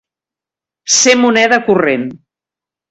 Ser moneda corrent.